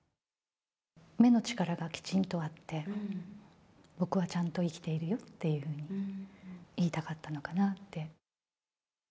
目の力がきちんとあって、僕はちゃんと生きているよっていうのを言いたかったのかなって。